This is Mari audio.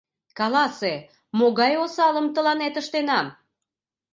Каласе, могай осалым тыланет ыштенам?